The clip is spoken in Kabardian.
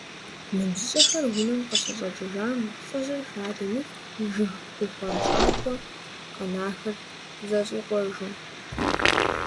НыбжьыщӀэхэр унэм къыщыщӀэкӀыжам, лӏыжьыр хадэм итт, жыг ухъуэнщӀахуэ къэнахэр зэщӀикъуэжу.